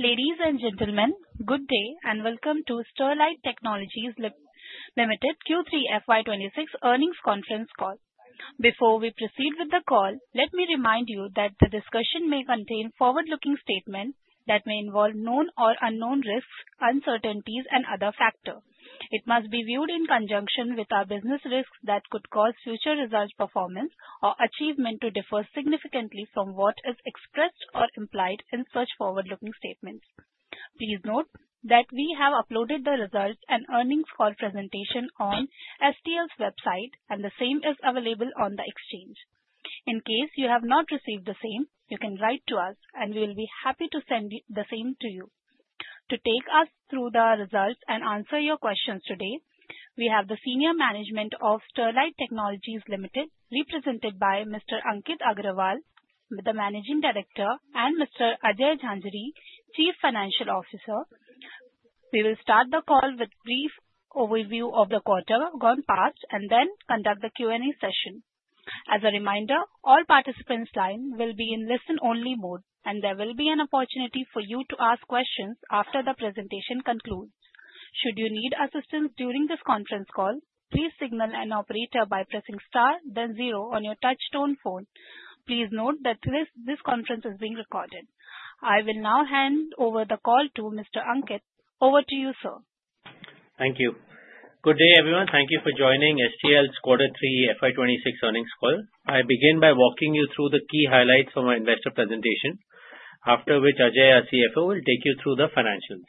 Ladies and gentlemen, good day and welcome to Sterlite Technologies Limited Q3 FY 2026 earnings conference call. Before we proceed with the call, let me remind you that the discussion may contain forward-looking statements that may involve known or unknown risks, uncertainties, and other factors. It must be viewed in conjunction with our business risks that could cause future results' performance or achievement to differ significantly from what is expressed or implied in such forward-looking statements. Please note that we have uploaded the results and earnings call presentation on STL's website, and the same is available on the exchange. In case you have not received the same, you can write to us, and we will be happy to send the same to you. To take us through the results and answer your questions today, we have the senior management of Sterlite Technologies Limited, represented by Mr. Ankit Agarwal, the Managing Director, and Mr. Ajay Jhanjhari, Chief Financial Officer. We will start the call with a brief overview of the quarter gone past and then conduct the Q&A session. As a reminder, all participants' lines will be in listen-only mode, and there will be an opportunity for you to ask questions after the presentation concludes. Should you need assistance during this conference call, please signal an operator by pressing star, then zero on your touch-tone phone. Please note that this conference is being recorded. I will now hand over the call to Mr. Ankit. Over to you, sir. Thank you. Good day, everyone. Thank you for joining STL's Q3 FY 2026 Earnings Call. I begin by walking you through the key highlights from our investor presentation, after which Ajay, our CFO, will take you through the financials.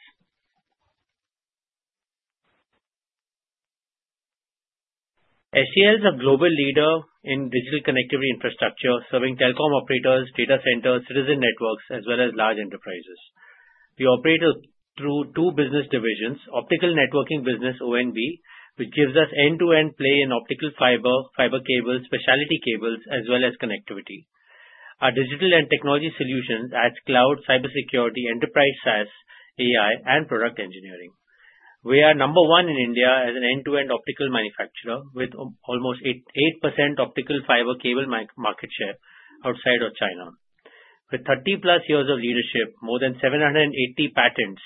STL is a global leader in digital connectivity infrastructure, serving telecom operators, data centers, citizen networks, as well as large enterprises. We operate through two business divisions: optical networking business, ONB, which gives us end-to-end play in optical fiber, fiber cables, specialty cables, as well as connectivity. Our digital and technology solutions add cloud, cybersecurity, enterprise SaaS, AI, and product engineering. We are number one in India as an end-to-end optical manufacturer, with almost 8% optical fiber cable market share outside of China. With 30+ years of leadership, more than 780 patents,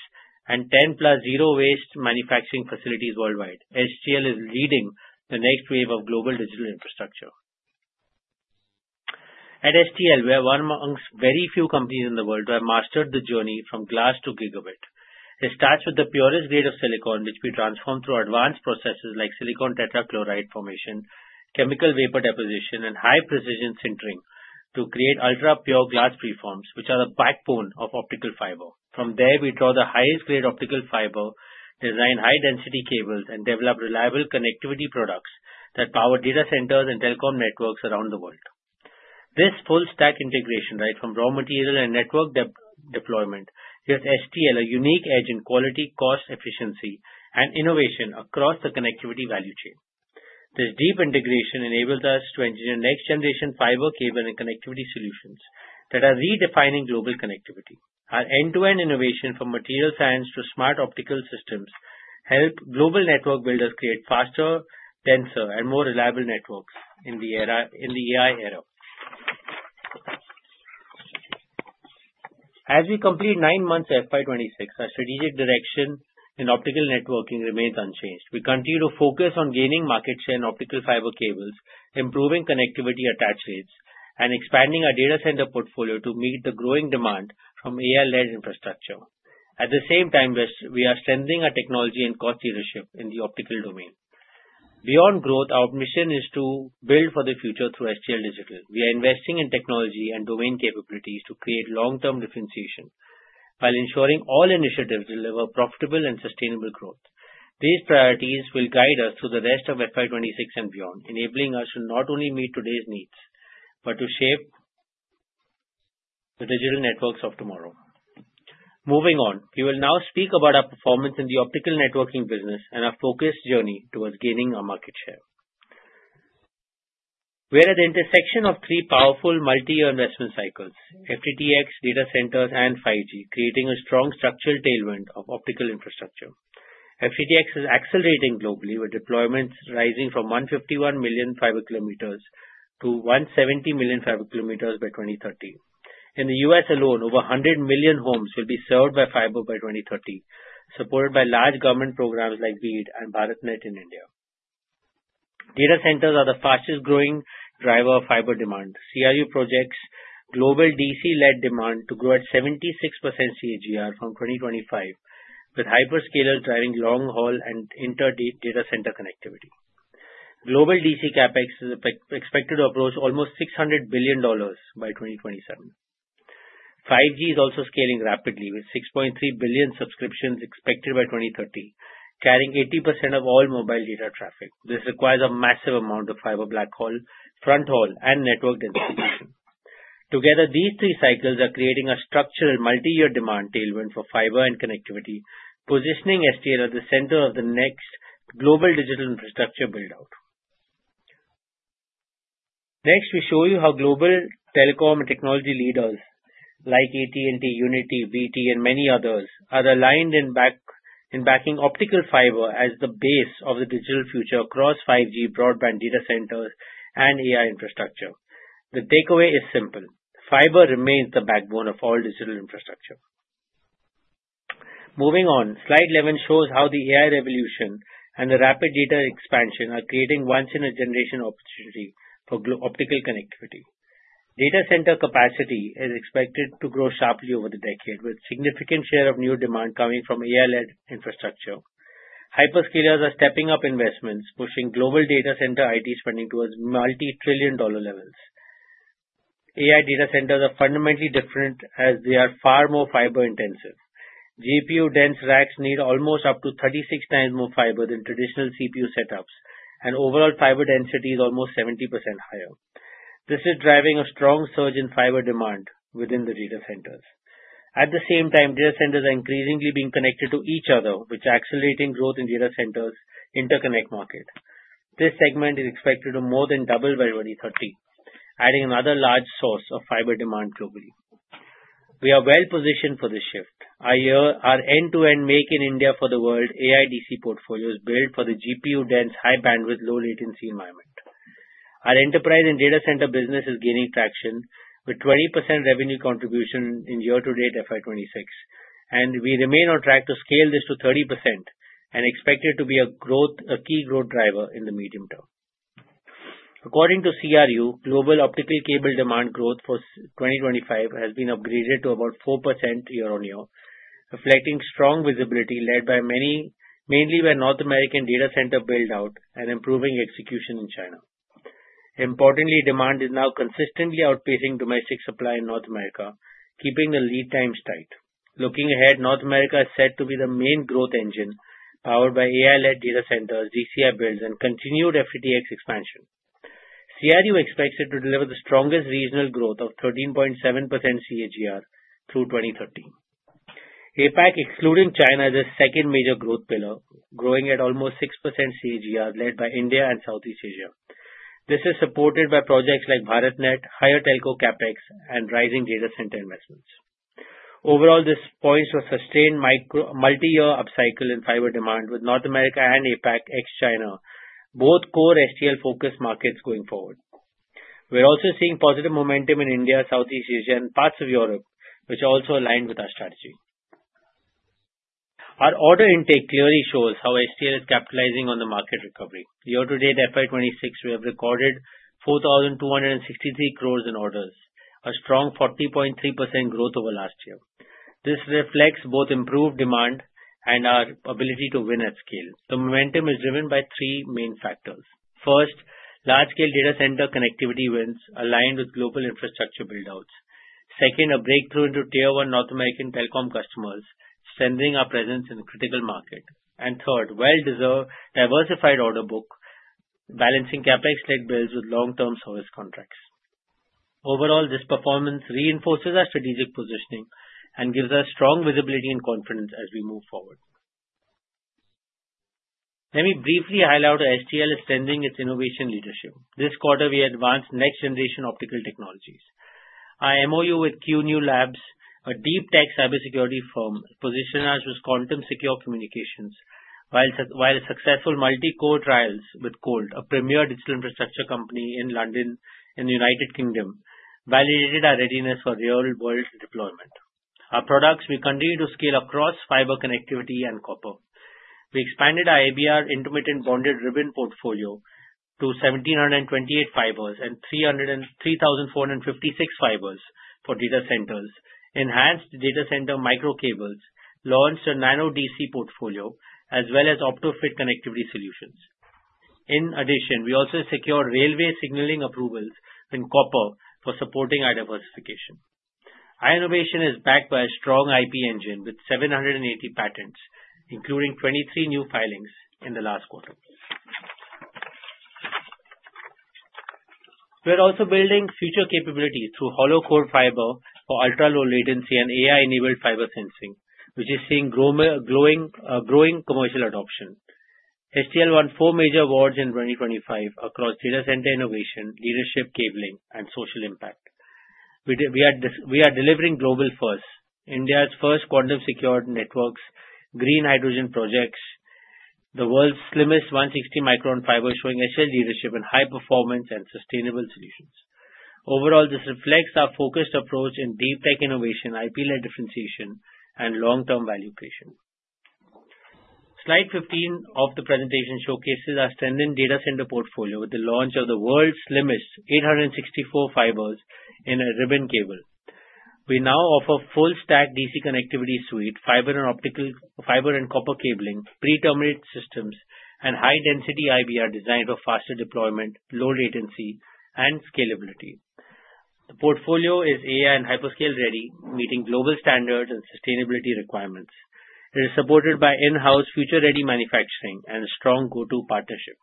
and 10+ zero-waste manufacturing facilities worldwide, STL is leading the next wave of global digital infrastructure. At STL, we are one amongst very few companies in the world who have mastered the journey from glass to gigabit. It starts with the purest grade of silicon, which we transform through advanced processes like silicon tetrachloride formation, chemical vapor deposition, and high-precision sintering to create ultra-pure glass preforms, which are the backbone of optical fiber. From there, we draw the highest-grade optical fiber, design high-density cables, and develop reliable connectivity products that power data centers and telecom networks around the world. This full-stack integration, right from raw material and network deployment, gives STL a unique edge in quality, cost, efficiency, and innovation across the connectivity value chain. This deep integration enables us to engineer next-generation fiber cable and connectivity solutions that are redefining global connectivity. Our end-to-end innovation from material science to smart optical systems helps global network builders create faster, denser, and more reliable networks in the AI era. As we complete nine months of FY 2026, our strategic direction in optical networking remains unchanged. We continue to focus on gaining market share in optical fiber cables, improving connectivity attach rates, and expanding our data center portfolio to meet the growing demand from AI-led infrastructure. At the same time, we are strengthening our technology and cost leadership in the optical domain. Beyond growth, our mission is to build for the future through STL Digital. We are investing in technology and domain capabilities to create long-term differentiation while ensuring all initiatives deliver profitable and sustainable growth. These priorities will guide us through the rest of FY 2026 and beyond, enabling us to not only meet today's needs but to shape the digital networks of tomorrow. Moving on, we will now speak about our performance in the optical networking business and our focused journey towards gaining our market share. We are at the intersection of three powerful multi-year investment cycles: FTTX, data centers, and 5G, creating a strong structural tailwind of optical infrastructure. FTTX is accelerating globally, with deployments rising from 151 million fiber kilometers to 170 million fiber kilometers by 2030. In the U.S. alone, over 100 million homes will be served by fiber by 2030, supported by large government programs like BEAD and BharatNet in India. Data centers are the fastest-growing driver of fiber demand. CRU projects global DC-led demand to grow at 76% CAGR from 2025, with hyperscalers driving long-haul and inter-data center connectivity. Global DC CapEx is expected to approach almost $600 billion by 2027. 5G is also scaling rapidly, with 6.3 billion subscriptions expected by 2030, carrying 80% of all mobile data traffic. This requires a massive amount of fiber backhaul, fronthaul, and network densification. Together, these three cycles are creating a structural multi-year demand tailwind for fiber and connectivity, positioning STL at the center of the next global digital infrastructure build-out. Next, we show you how global telecom and technology leaders like AT&T, Uniti, BT, and many others are aligned in backing optical fiber as the base of the digital future across 5G broadband data centers and AI infrastructure. The takeaway is simple: fiber remains the backbone of all digital infrastructure. Moving on, slide 11 shows how the AI revolution and the rapid data expansion are creating once-in-a-generation opportunity for optical connectivity. Data center capacity is expected to grow sharply over the decade, with a significant share of new demand coming from AI-led infrastructure. Hyperscalers are stepping up investments, pushing global data center IT spending towards multi-trillion-dollar levels. AI data centers are fundamentally different as they are far more fiber-intensive. GPU-dense racks need almost up to 36 times more fiber than traditional CPU setups, and overall fiber density is almost 70% higher. This is driving a strong surge in fiber demand within the data centers. At the same time, data centers are increasingly being connected to each other, which is accelerating growth in data centers' interconnect market. This segment is expected to more than double by 2030, adding another large source of fiber demand globally. We are well-positioned for this shift. Our end-to-end make-in-India-for-the-world AI DC portfolio is built for the GPU-dense, high-bandwidth, low-latency environment. Our enterprise and data center business is gaining traction with 20% revenue contribution in year-to-date FY 2026, and we remain on track to scale this to 30% and expect it to be a key growth driver in the medium term. According to CRU, global optical cable demand growth for 2025 has been upgraded to about 4% year-on-year, reflecting strong visibility led by mainly North American data center build-out and improving execution in China. Importantly, demand is now consistently outpacing domestic supply in North America, keeping the lead times tight. Looking ahead, North America is set to be the main growth engine powered by AI-led data centers, DCI builds, and continued FTTX expansion. CRU expects it to deliver the strongest regional growth of 13.7% CAGR through 2030. APAC, excluding China, is the second major growth pillar, growing at almost 6% CAGR, led by India and Southeast Asia. This is supported by projects like BharatNet, higher telco capex, and rising data center investments. Overall, this points to a sustained multi-year upcycle in fiber demand with North America and APAC ex-China, both core STL-focused markets going forward. We're also seeing positive momentum in India, Southeast Asia, and parts of Europe, which are also aligned with our strategy. Our order intake clearly shows how STL is capitalizing on the market recovery. Year-to-date FY 2026, we have recorded 4,263 crores in orders, a strong 40.3% growth over last year. This reflects both improved demand and our ability to win at scale. The momentum is driven by three main factors. First, large-scale data center connectivity wins aligned with global infrastructure build-outs. Second, a breakthrough into tier-one North American telecom customers, strengthening our presence in the critical market. And third, well-deserved diversified order book, balancing capex-led builds with long-term service contracts. Overall, this performance reinforces our strategic positioning and gives us strong visibility and confidence as we move forward. Let me briefly highlight how STL is strengthening its innovation leadership. This quarter, we advance next-generation optical technologies. Our MoU with QNu Labs, a deep-tech cybersecurity firm, positioned us with quantum-secure communications, while successful multi-core trials with Colt, a premier digital infrastructure company in London and the United Kingdom, validated our readiness for real-world deployment. Our products, we continue to scale across fiber connectivity and copper. We expanded our IBR intermittent bonded ribbon portfolio to 1,728 fibers and 3,456 fibers for data centers, enhanced data center micro cables, launched a Nano DC portfolio, as well as Opto-Fit connectivity solutions. In addition, we also secured railway signaling approvals in copper for supporting our diversification. Our innovation is backed by a strong IP engine with 780 patents, including 23 new filings in the last quarter. We're also building future capabilities through hollow core fiber for ultra-low latency and AI-enabled fiber sensing, which is seeing growing commercial adoption. STL won 4 major awards in 2025 across data center innovation, leadership, cabling, and social impact. We are delivering global firsts: India's first quantum-secured networks, green hydrogen projects, the world's slimmest 160-micron fiber, showing STL leadership in high-performance and sustainable solutions. Overall, this reflects our focused approach in deep-tech innovation, IP-led differentiation, and long-term value creation. Slide 15 of the presentation showcases our strengthened data center portfolio with the launch of the world's slimmest 864 fibers in a ribbon cable. We now offer full-stack DC connectivity suite, fiber and optical fiber and copper cabling, pre-terminated systems, and high-density IBR designed for faster deployment, low latency, and scalability. The portfolio is AI and hyperscale-ready, meeting global standards and sustainability requirements. It is supported by in-house future-ready manufacturing and a strong go-to partnership.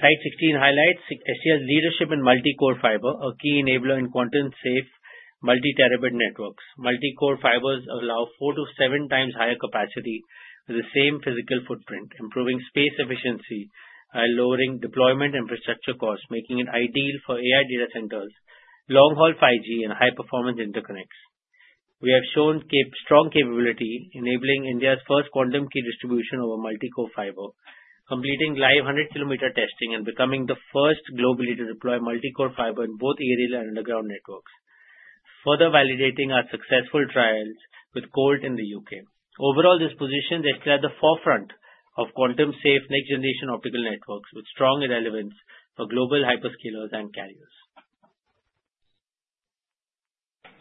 Slide 16 highlights STL's leadership in multi-core fiber, a key enabler in quantum-safe multi-terabit networks. Multi-core fibers allow four to seven times higher capacity with the same physical footprint, improving space efficiency while lowering deployment infrastructure costs, making it ideal for AI data centers, long-haul 5G, and high-performance interconnects. We have shown strong capability, enabling India's first quantum key distribution over multi-core fiber, completing live 100 km testing, and becoming the first globally to deploy multi-core fiber in both aerial and underground networks, further validating our successful trials with Colt in the UK. Overall, this positions STL at the forefront of quantum-safe next-generation optical networks with strong relevance for global hyperscalers and carriers.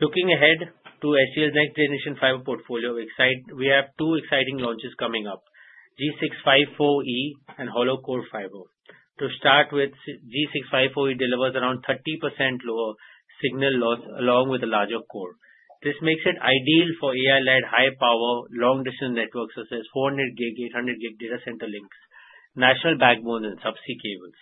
Looking ahead to STL's next-generation fiber portfolio, we have two exciting launches coming up: G.654.E and hollow core fiber. To start with, G.654.E delivers around 30% lower signal loss along with a larger core. This makes it ideal for AI-led high-power, long-distance networks such as 400 gig, 800 gig data center links, national backbone, and subsea cables.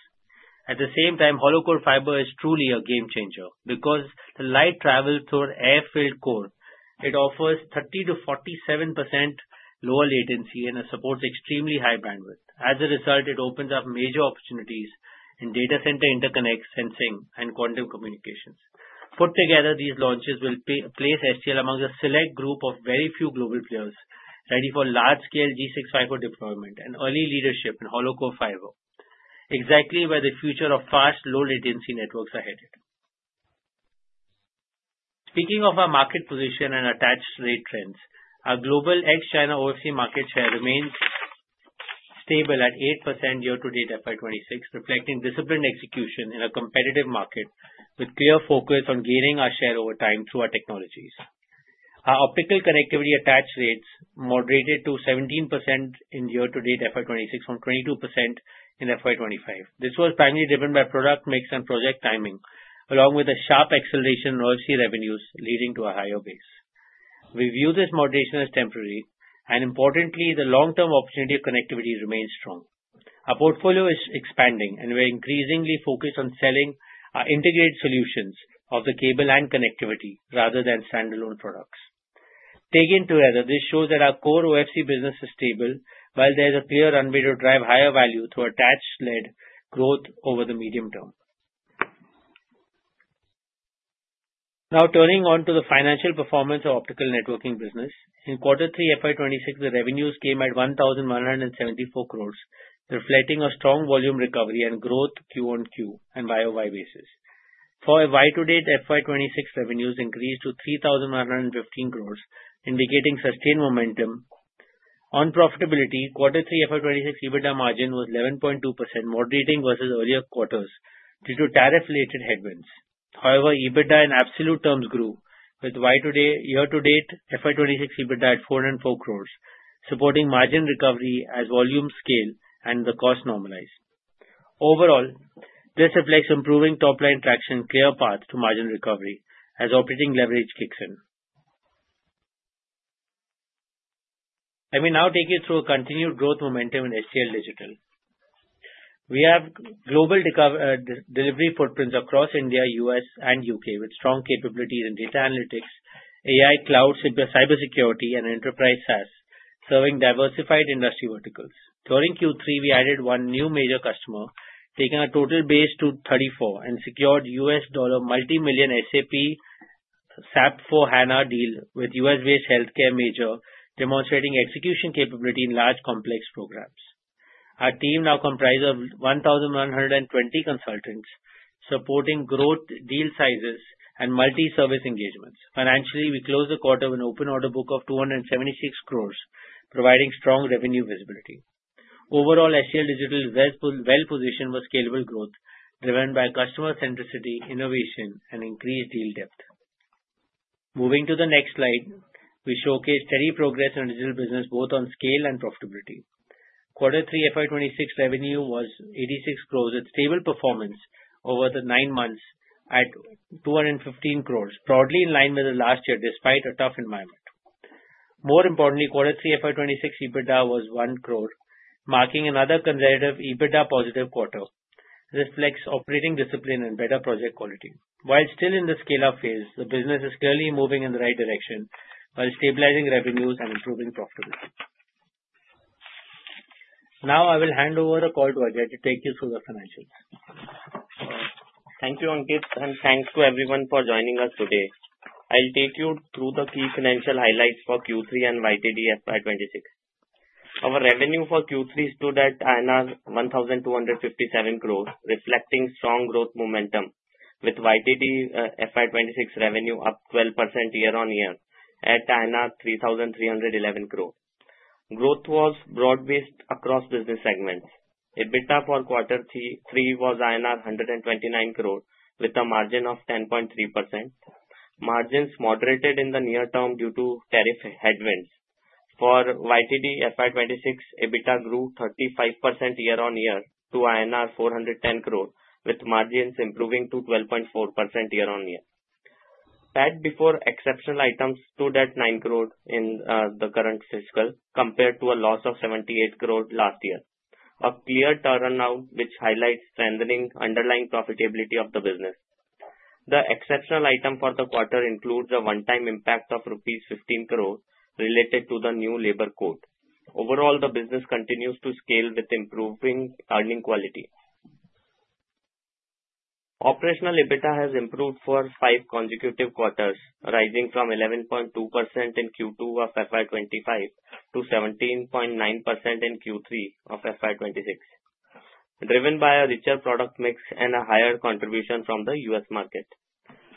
At the same time, hollow core fiber is truly a game changer because the light travels through an air-filled core. It offers 30%-47% lower latency and supports extremely high bandwidth. As a result, it opens up major opportunities in data center interconnect, sensing, and quantum communications. Put together, these launches will place STL among a select group of very few global players ready for large-scale G.654.E deployment and early leadership in hollow core fiber, exactly where the future of fast, low-latency networks are headed. Speaking of our market position and attach rate trends, our global ex-China OFC market share remains stable at 8% year-to-date FY 2026, reflecting disciplined execution in a competitive market with clear focus on gaining our share over time through our technologies. Our optical connectivity attach rates moderated to 17% in year-to-date FY 2026 from 22% in FY 2025. This was primarily driven by product mix and project timing, along with a sharp acceleration in OFC revenues leading to a higher base. We view this moderation as temporary, and importantly, the long-term opportunity of connectivity remains strong. Our portfolio is expanding, and we're increasingly focused on selling our integrated solutions of the cable and connectivity rather than standalone products. Taken together, this shows that our core OFC business is stable, while there is a clear runway to drive higher value through attach-led growth over the medium term. Now turning on to the financial performance of optical networking business. In quarter three FY 2026, the revenues came at 1,174 crores, reflecting a strong volume recovery and growth Q on Q and by a Y basis. For a Y to date, FY 2026 revenues increased to 3,115 crores, indicating sustained momentum. On profitability, quarter three FY 2026 EBITDA margin was 11.2%, moderating versus earlier quarters due to tariff-related headwinds. However, EBITDA in absolute terms grew, with Y to date FY 2026 EBITDA at 404 crores, supporting margin recovery as volume scale and the cost normalized. Overall, this reflects improving top-line traction, clear path to margin recovery as operating leverage kicks in. Let me now take you through a continued growth momentum in STL Digital. We have global delivery footprints across India, U.S., and U.K. with strong capabilities in data analytics, AI cloud cybersecurity, and enterprise SaaS, serving diversified industry verticals. During Q3, we added one new major customer, taking our total base to 34 and secured $ multimillion SAP S/4HANA deal with US-based healthcare major, demonstrating execution capability in large complex programs. Our team now comprises 1,120 consultants, supporting growth, deal sizes, and multi-service engagements. Financially, we closed the quarter with an open order book of 276 crore, providing strong revenue visibility. Overall, STL Digital is well-positioned for scalable growth driven by customer centricity, innovation, and increased deal depth. Moving to the next slide, we showcase steady progress in digital business, both on scale and profitability. Q3 FY 2026 revenue was 86 crore with stable performance over the nine months at 215 crore, broadly in line with the last year despite a tough environment. More importantly, quarter three FY 2026 EBITDA was 1 crore, marking another conservative EBITDA positive quarter. This reflects operating discipline and better project quality. While still in the scale-up phase, the business is clearly moving in the right direction while stabilizing revenues and improving profitability. Now I will hand over the call to Ajay to take you through the financials. Thank you, Ankit, and thanks to everyone for joining us today. I'll take you through the key financial highlights for Q3 and YTD FY 2026. Our revenue for Q3 stood at 1,257 crores, reflecting strong growth momentum, with YTD FY 2026 revenue up 12% year-on-year at 3,311 crores. Growth was broad-based across business segments. EBITDA for Q3 was INR 129 crores with a margin of 10.3%. Margins moderated in the near term due to tariff headwinds. For YTD FY 2026, EBITDA grew 35% year-on-year to INR 410 crores, with margins improving to 12.4% year-on-year. PAT before exceptional items stood at 9 crore in the current fiscal compared to a loss of 78 crore last year, a clear turnaround which highlights strengthening underlying profitability of the business. The exceptional item for the quarter includes a one-time impact of rupees 15 crore related to the new labor code. Overall, the business continues to scale with improving earnings quality. Operational EBITDA has improved for five consecutive quarters, rising from 11.2% in Q2 of FY 2025 to 17.9% in Q3 of FY 2026, driven by a richer product mix and a higher contribution from the US market.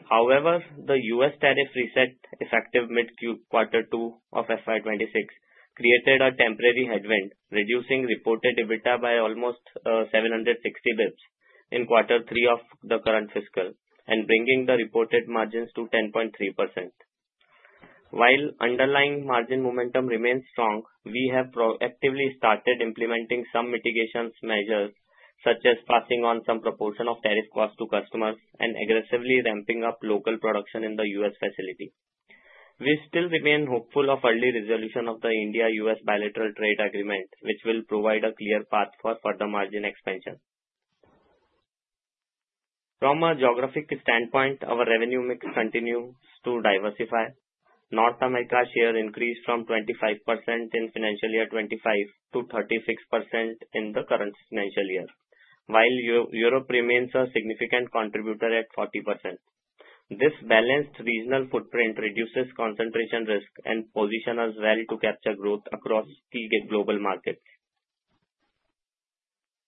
However, the US tariff reset effective mid-quarter two of FY 2026 created a temporary headwind, reducing reported EBITDA by almost 760 basis points in Q3 of the current fiscal and bringing the reported margins to 10.3%. While underlying margin momentum remains strong, we have proactively started implementing some mitigation measures, such as passing on some proportion of tariff costs to customers and aggressively ramping up local production in the U.S. facility. We still remain hopeful of early resolution of the India-U.S. bilateral trade agreement, which will provide a clear path for further margin expansion. From a geographic standpoint, our revenue mix continues to diversify. North America share increased from 25% in financial year 2025 to 36% in the current financial year, while Europe remains a significant contributor at 40%. This balanced regional footprint reduces concentration risk and positions us well to capture growth across key global markets.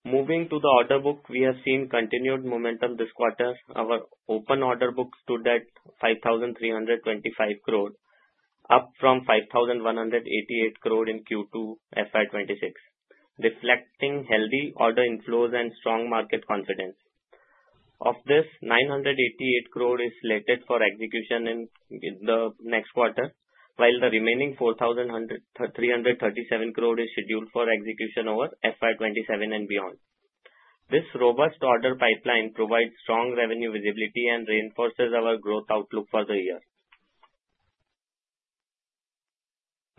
Moving to the order book, we have seen continued momentum this quarter. Our open order book stood at 5,325 crores, up from 5,188 crores in Q2 FY 2026, reflecting healthy order inflows and strong market confidence. Of this, 988 crore is slated for execution in the next quarter, while the remaining 4,337 crore is scheduled for execution over FY 2027 and beyond. This robust order pipeline provides strong revenue visibility and reinforces our growth outlook for the year.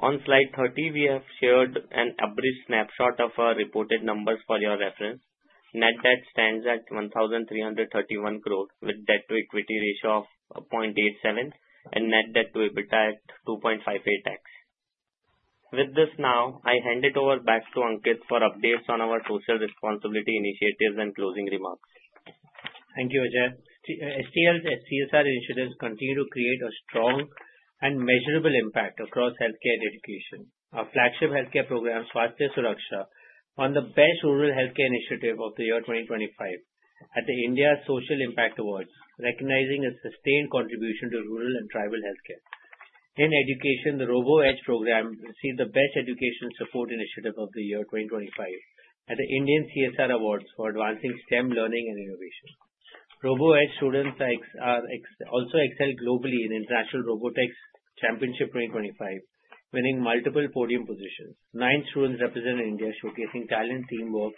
On slide 30, we have shared an average snapshot of our reported numbers for your reference. Net debt stands at 1,331 crore, with debt-to-equity ratio of 0.87 and net debt-to-EBITDA at 2.58x. With this now, I hand it over back to Ankit for updates on our social responsibility initiatives and closing remarks. Thank you, Ajay. STL's CSR initiatives continue to create a strong and measurable impact across healthcare and education. Our flagship healthcare program, Swasthya Suraksha, won the Best Rural Healthcare Initiative of the Year 2025 at the India Social Impact Awards, recognizing a sustained contribution to rural and tribal healthcare. In education, the RoboEdge program received the Best Education Support Initiative of the Year 2025 at the Indian CSR Awards for advancing STEM learning and innovation. RoboEdge students also excelled globally in the Robotex International 2025, winning multiple podium positions. Nine students represented India, showcasing talent, teamwork,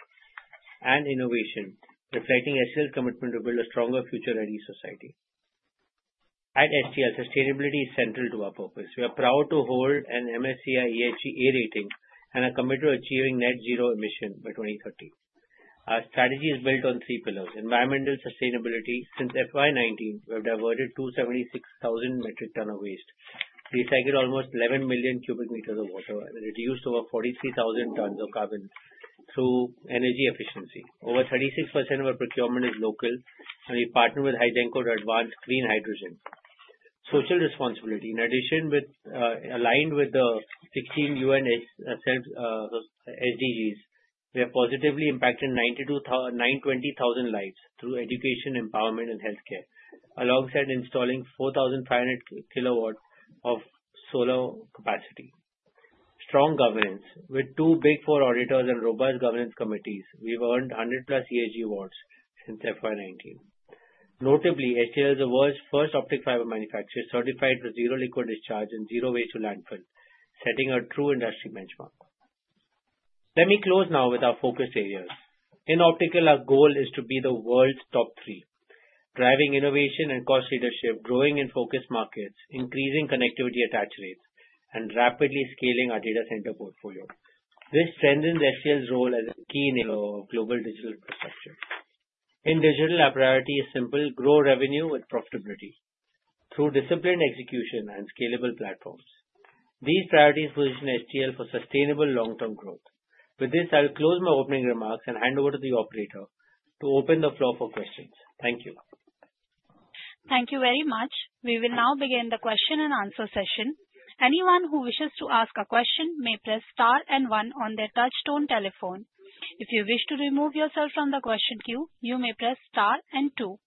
and innovation, reflecting STL's commitment to build a stronger future-ready society. At STL, sustainability is central to our focus. We are proud to hold an MSCI ESG A rating and are committed to achieving net zero emission by 2030. Our strategy is built on three pillars: environmental sustainability. Since FY 2019, we have diverted 276,000 metric tons of waste, recycled almost 11 million cubic meters of water, and reduced over 43,000 tons of carbon through energy efficiency. Over 36% of our procurement is local, and we partner with Hygenco to advance clean hydrogen. Social responsibility: in addition, aligned with the 16 UN SDGs, we have positively impacted 920,000 lives through education, empowerment, and healthcare, alongside installing 4,500 kW of solar capacity. Strong governance: with two Big Four auditors and robust governance committees, we've earned 100+ ESG awards since FY 2019. Notably, STL is the world's first optical fiber manufacturer certified for zero liquid discharge and zero waste to landfill, setting a true industry benchmark. Let me close now with our focus areas. In optical, our goal is to be the world's top three, driving innovation and cost leadership, growing in focus markets, increasing connectivity attach rates, and rapidly scaling our data center portfolio. This strengthens STL's role as a key player in global digital infrastructure. In digital, our priority is simple: grow revenue with profitability through disciplined execution and scalable platforms. These priorities position STL for sustainable long-term growth. With this, I'll close my opening remarks and hand over to the operator to open the floor for questions. Thank you. Thank you very much. We will now begin the question and answer session. Anyone who wishes to ask a question may press star and one on their touch-tone telephone. If you wish to remove yourself from the question queue, you may press star and two.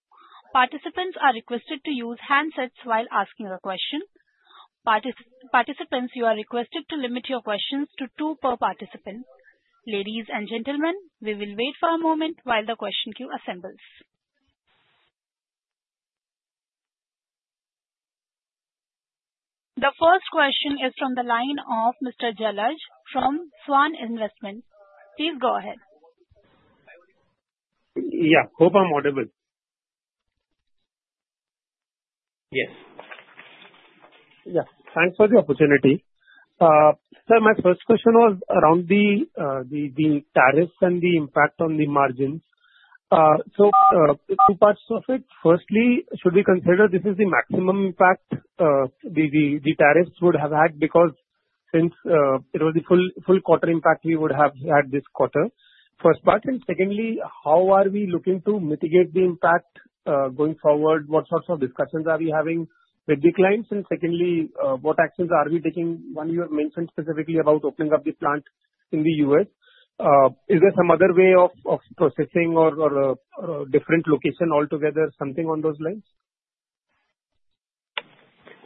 Participants are requested to use handsets while asking a question. Participants, you are requested to limit your questions to two per participant. Ladies and gentlemen, we will wait for a moment while the question queue assembles. The first question is from the line of Mr. Jhanjhari from Swan Investments. Please go ahead. Yeah, hope I'm audible. Yes. Yeah, thanks for the opportunity. Sir, my first question was around the tariffs and the impact on the margins. So, two parts of it. Firstly, should we consider this is the maximum impact the tariffs would have had because since it was the full quarter impact we would have had this quarter? First part. And secondly, how are we looking to mitigate the impact, going forward? What sorts of discussions are we having with the clients? And secondly, what actions are we taking? One, you have mentioned specifically about opening up the plant in the U.S. Is there some other way of processing or a different location altogether, something on those lines?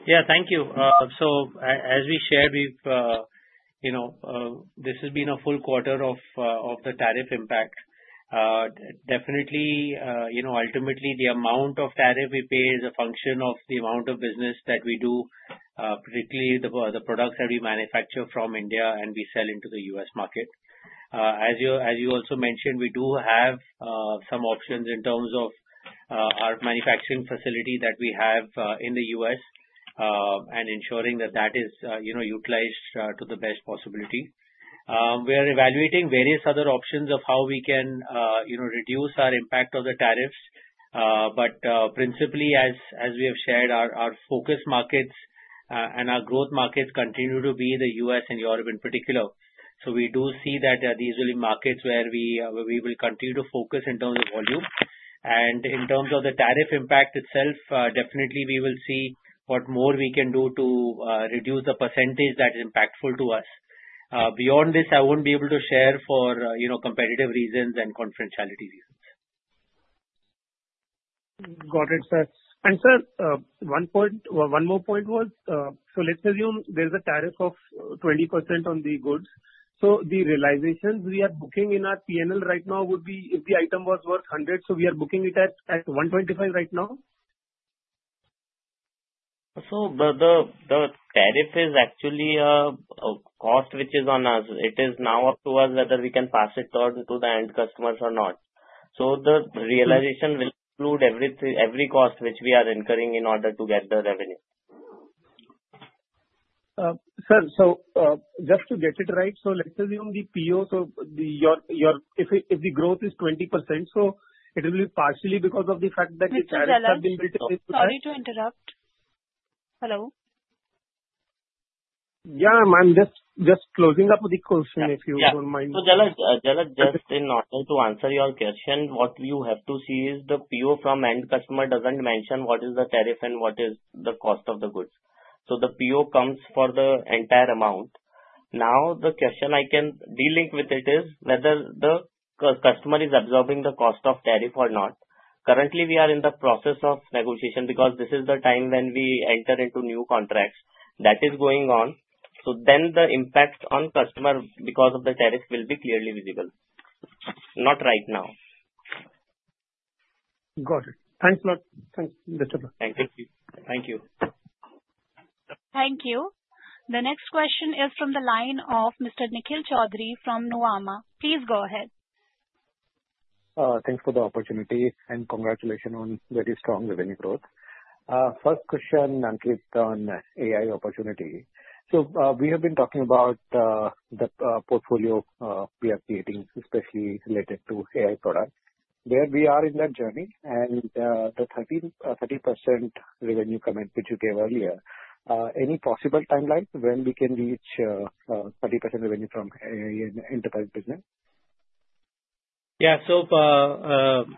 Yeah, thank you. So as we shared, we've, you know, this has been a full quarter of the tariff impact. Definitely, you know, ultimately, the amount of tariff we pay is a function of the amount of business that we do, particularly the products that we manufacture from India and we sell into the U.S. market. As you also mentioned, we do have some options in terms of our manufacturing facility that we have in the U.S., and ensuring that that is, you know, utilized to the best possibility. We are evaluating various other options of how we can, you know, reduce our impact of the tariffs. But, principally, as we have shared, our focus markets and our growth markets continue to be the U.S. and Europe in particular. So we do see that these will be markets where we will continue to focus in terms of volume. In terms of the tariff impact itself, definitely we will see what more we can do to reduce the percentage that is impactful to us. Beyond this, I won't be able to share for, you know, competitive reasons and confidentiality reasons. Got it, sir. And sir, one point, one more point was, so let's assume there's a tariff of 20% on the goods. So the realizations we are booking in our P&L right now would be if the item was worth 100, so we are booking it at, at 125 right now? So the tariff is actually a cost which is on us. It is now up to us whether we can pass it on to the end customers or not. So the realization will include everything, every cost which we are incurring in order to get the revenue. Sir, just to get it right, let's assume the PO. Your, if the growth is 20%, it will be partially because of the fact that the tariffs have been built in. Sorry to interrupt. Hello? Yeah, I'm just closing up the question if you don't mind. So, Jhanjhari, just in order to answer your question, what you have to see is the PO from end customer doesn't mention what is the tariff and what is the cost of the goods. So the PO comes for the entire amount. Now the question I can deal with it is whether the customer is absorbing the cost of tariff or not. Currently, we are in the process of negotiation because this is the time when we enter into new contracts that is going on. So then the impact on customer because of the tariff will be clearly visible. Not right now. Got it. Thanks a lot. Thanks, Mr. Thank you. Thank you. Thank you. The next question is from the line of Mr. Nikhil Choudhary from Nuvama. Please go ahead. Thanks for the opportunity and congratulations on very strong revenue growth. First question, Ankit, on AI opportunity. So, we have been talking about the portfolio we are creating, especially related to AI products. Where we are in that journey and the 13%-30% revenue comment which you gave earlier, any possible timeline when we can reach 30% revenue from AI and enterprise business? Yeah, so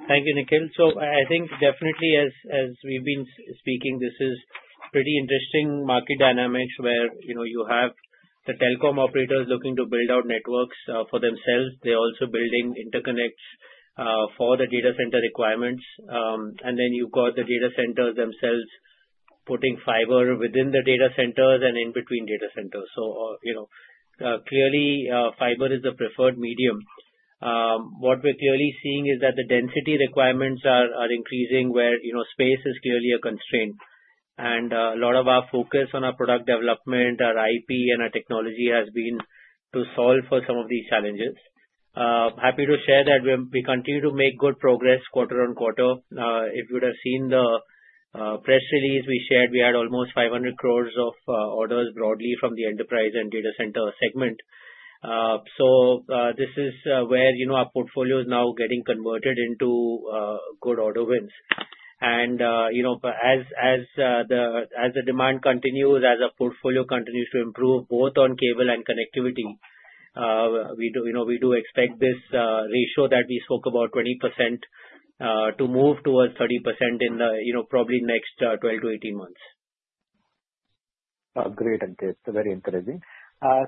thank you, Nikhil. So I think definitely as we've been speaking, this is pretty interesting market dynamics where, you know, you have the telecom operators looking to build out networks for themselves. They're also building interconnects for the data center requirements. And then you've got the data centers themselves putting fiber within the data centers and in between data centers. So, you know, clearly, fiber is the preferred medium. What we're clearly seeing is that the density requirements are increasing where, you know, space is clearly a constraint. And a lot of our focus on our product development, our IP and our technology has been to solve for some of these challenges. Happy to share that we continue to make good progress quarter on quarter. If you would have seen the press release we shared, we had almost 500 crore of orders broadly from the enterprise and data center segment. So, this is where, you know, our portfolio is now getting converted into good order wins. You know, as the demand continues, as our portfolio continues to improve both on cable and connectivity, we do, you know, we expect this ratio that we spoke about, 20%, to move towards 30% in the, you know, probably next 12 to 18 months. Great, Ankit. It's very interesting.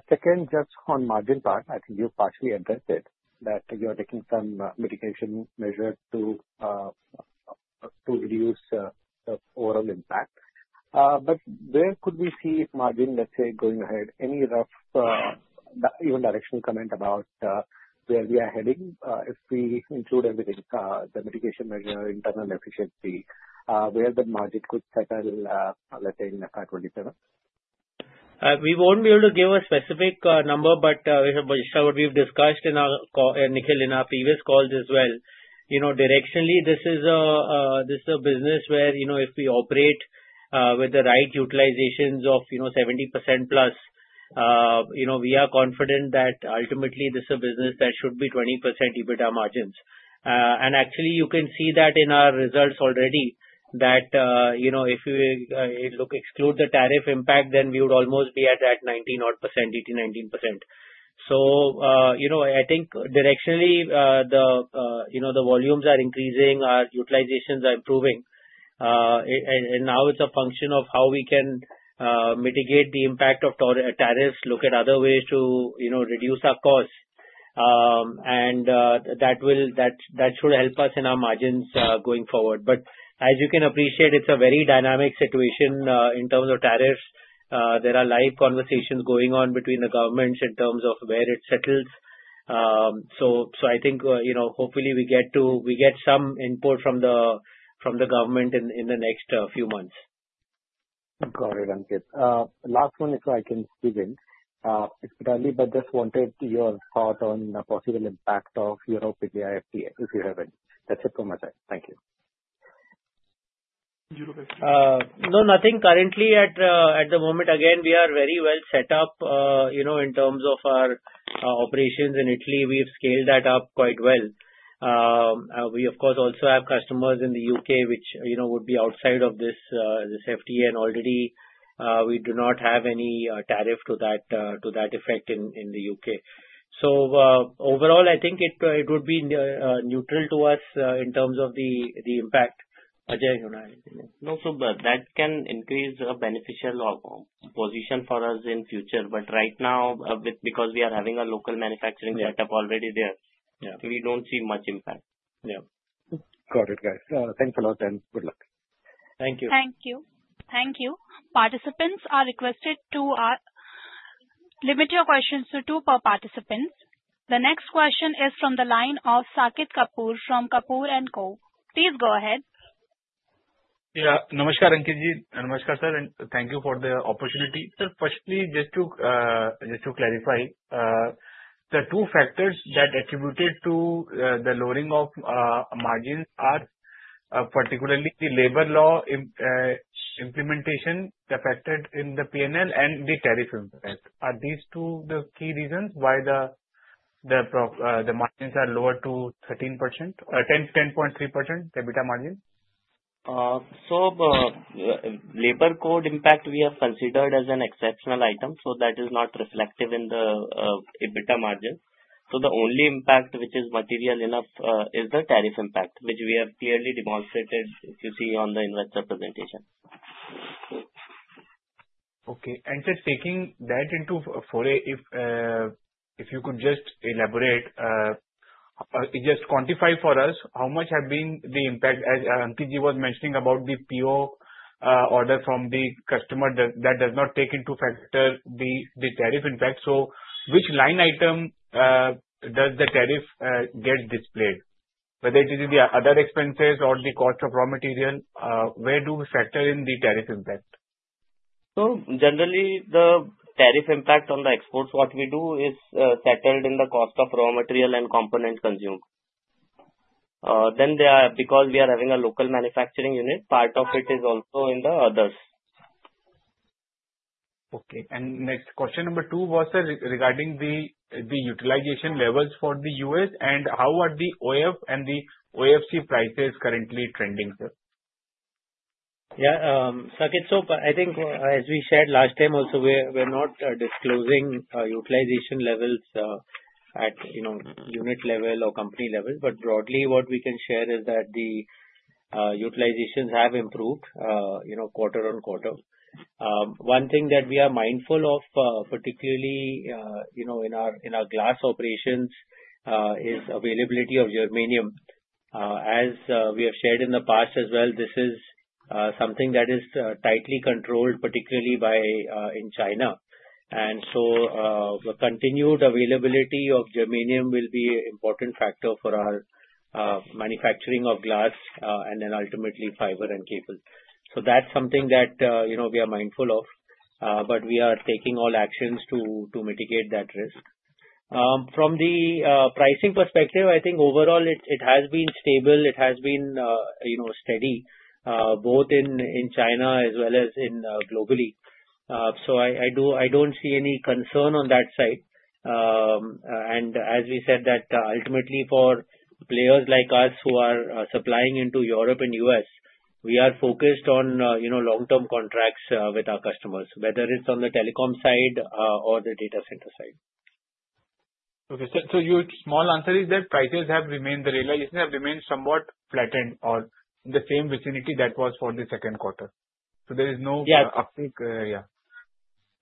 Second, just on the margin part, I think you partially addressed it that you are taking some mitigation measures to reduce the overall impact. But where could we see margins, let's say, going ahead? Any rough, even directional comment about where we are heading, if we include everything, the mitigation measures, internal efficiency, where the margin could settle, let's say in FY 2027? We won't be able to give a specific number, but which is what we've discussed in our call, Nikhil, in our previous calls as well. You know, directionally, this is a business where, you know, if we operate with the right utilizations of, you know, 70% plus, you know, we are confident that ultimately this is a business that should be 20% EBITDA margins. And actually you can see that in our results already that, you know, if you look exclude the tariff impact, then we would almost be at that 19%, 18%, 19%. So, you know, I think directionally, the volumes are increasing, our utilizations are improving. And now it's a function of how we can mitigate the impact of tariffs, look at other ways to, you know, reduce our costs. And that will, that should help us in our margins, going forward. But as you can appreciate, it's a very dynamic situation, in terms of tariffs. There are live conversations going on between the governments in terms of where it settles. So, I think, you know, hopefully we get some input from the government in the next few months. Got it, Ankit. Last one, if I can. Expedited, but just wanted your thought on the possible impact of Europe with the EFTA, if you have any. That's it from my side. Thank you. No, nothing currently at the moment. Again, we are very well set up, you know, in terms of our operations in Italy. We've scaled that up quite well. We of course also have customers in the U.K., which, you know, would be outside of this FTA and already, we do not have any tariff to that effect in the U.K. So, overall, I think it would be neutral to us in terms of the impact. No, so that can increase a beneficial position for us in future, but right now, because we are having a local manufacturing setup already there, we don't see much impact. Yeah. Got it, guys. Thanks a lot and good luck. Thank you. Thank you. Thank you. Participants are requested to limit your questions to two per participant. The next question is from the line of Saket Kapoor from Kapoor & Co. Please go ahead. Yeah, namaskar, Ankit ji. Namaskar, sir. And thank you for the opportunity. Sir, firstly, just to clarify, the two factors that attributed to the lowering of margins are particularly labor law implementation affected in the P&L and the tariff impact. Are these two the key reasons why the margins are lower to 13% or 10.3% EBITDA margin? So, labor code impact we have considered as an exceptional item. So that is not reflective in the EBITDA margin. So the only impact which is material enough is the tariff impact, which we have clearly demonstrated, if you see on the investor presentation. Okay. And just taking that into for a, if you could just elaborate, just quantify for us how much have been the impact as Ankit ji was mentioning about the PO order from the customer that does not take into factor the tariff impact. So which line item does the tariff get displayed? Whether it is the other expenses or the cost of raw material, where do we factor in the tariff impact? So generally, the tariff impact on the exports, what we do is, settled in the cost of raw material and component consumed. Then there are, because we are having a local manufacturing unit, part of it is also in the others. Okay. And next question number 2 was, sir, regarding the utilization levels for the U.S. and how are the OF and the OFC prices currently trending, sir? Yeah, Saket, so I think as we shared last time also, we're not disclosing utilization levels at, you know, unit level or company level, but broadly what we can share is that the utilizations have improved, you know, quarter-on-quarter. One thing that we are mindful of, particularly, you know, in our, in our glass operations, is availability of germanium. As we have shared in the past as well, this is something that is tightly controlled, particularly by China. And so, the continued availability of germanium will be an important factor for our manufacturing of glass, and then ultimately fiber and cable. So that's something that, you know, we are mindful of, but we are taking all actions to mitigate that risk. From the pricing perspective, I think overall it has been stable. It has been, you know, steady, both in China as well as globally. So I do, I don't see any concern on that side. And as we said that ultimately for players like us who are supplying into Europe and U.S., we are focused on, you know, long-term contracts with our customers, whether it's on the telecom side, or the data center side. Okay. So, your short answer is that prices have remained, the realizations have remained somewhat flattened or in the same vicinity that was for the Q2. So there is no uptick, yeah.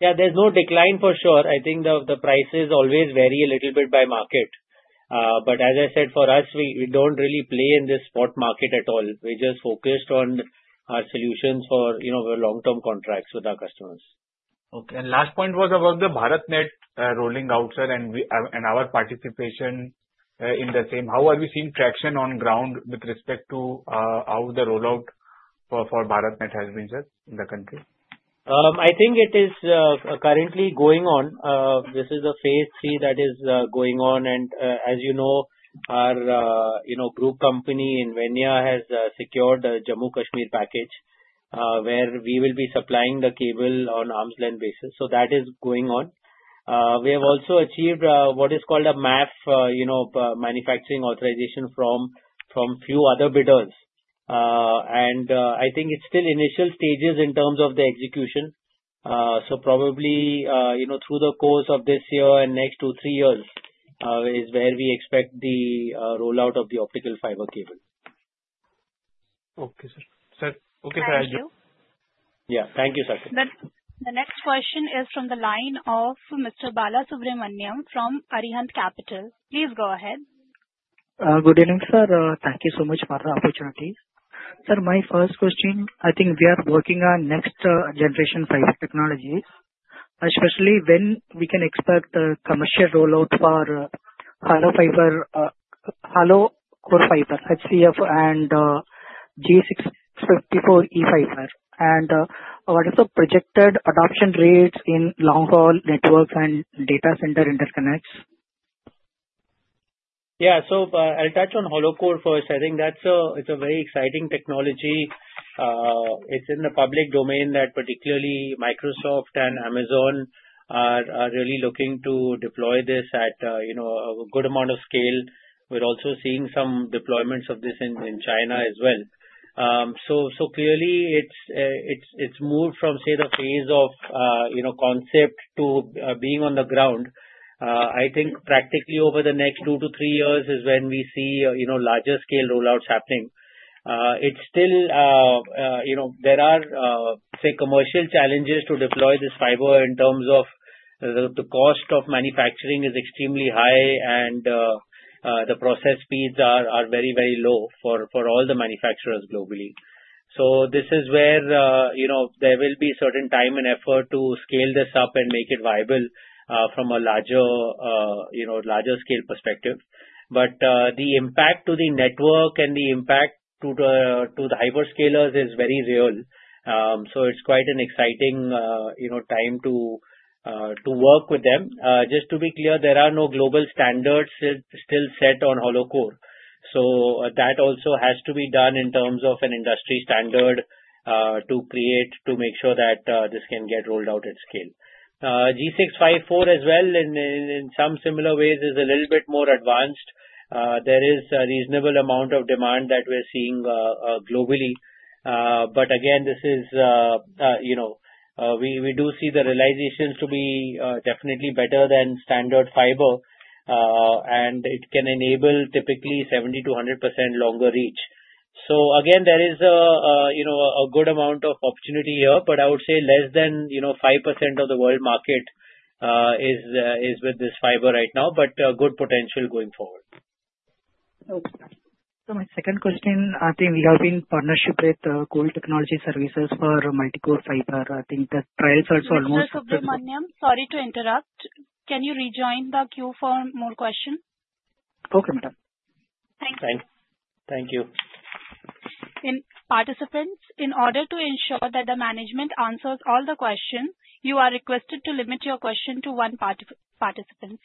Yeah, there's no decline for sure. I think the prices always vary a little bit by market, but as I said, for us, we don't really play in this spot market at all. We just focused on our solutions for, you know, long-term contracts with our customers. Okay. And last point was about the BharatNet rolling out, sir, and our participation in the same. How are we seeing traction on ground with respect to how the rollout for BharatNet has been, sir, in the country? I think it is currently going on. This is a phase III that is going on. As you know, our group company in Venya has secured a Jammu and Kashmir package, where we will be supplying the cable on arm's-length basis. So that is going on. We have also achieved what is called a MAF, you know, manufacturing authorization from a few other bidders. And I think it's still initial stages in terms of the execution. So probably, you know, through the course of this year and next two, three years, is where we expect the rollout of the optical fiber cable. Okay, sir. Sir, okay, sir. Thank you. Yeah, thank you, Saket. The next question is from the line of Mr. Balasubramanian from Arihant Capital. Please go ahead. Good evening, sir. Thank you so much for the opportunity. Sir, my first question, I think we are working on next generation fiber technologies, especially when we can expect the commercial rollout for hollow fiber, hollow core fiber, HCF, and G.654.E fiber. And, what is the projected adoption rates in long-haul networks and data center interconnects? Yeah, so, I'll touch on hollow core first. I think that's a, it's a very exciting technology. It's in the public domain that particularly Microsoft and Amazon are, are really looking to deploy this at, you know, a good amount of scale. We're also seeing some deployments of this in, in China as well. So, so clearly it's, it's, it's moved from, say, the phase of, you know, concept to, being on the ground. I think practically over the next 2-3 years is when we see, you know, larger scale rollouts happening. It's still, you know, there are, say, commercial challenges to deploy this fiber in terms of the cost of manufacturing is extremely high and the process speeds are very, very low for all the manufacturers globally. So this is where, you know, there will be certain time and effort to scale this up and make it viable, from a larger scale perspective. But the impact to the network and the impact to the hyperscalers is very real. So it's quite an exciting, you know, time to work with them. Just to be clear, there are no global standards still set on hollow core. So that also has to be done in terms of an industry standard, to create, to make sure that this can get rolled out at scale. G.654 as well, in some similar ways is a little bit more advanced. There is a reasonable amount of demand that we're seeing, globally. But again, this is, you know, we do see the realizations to be, definitely better than standard fiber, and it can enable typically 70%-100% longer reach. So again, there is a, you know, a good amount of opportunity here, but I would say less than, you know, 5% of the world market, is with this fiber right now, but a good potential going forward. Okay. So my second question, I think we have been in partnership with Colt Technology Services for multi-core fiber. I think the trial's also almost. Mr. Balasubramanian, sorry to interrupt. Can you rejoin the queue for more questions? Okay, madam. Thank you. Thank you. To participants, in order to ensure that the management answers all the questions, you are requested to limit your question to one participant.